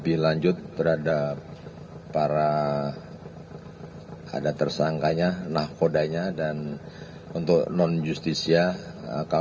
wilayah perairan republik indonesia